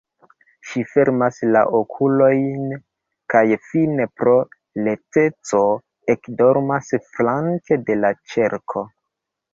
Ŝi fermas la okulojn kaj fine pro laceco ekdormas flanke de la ĉerko.